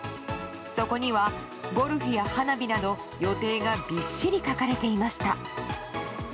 そこにはゴルフや花火など予定がびっしり書かれていました。